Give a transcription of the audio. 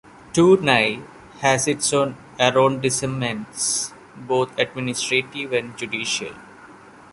Tournai has its own arrondissements, both administrative and judicial.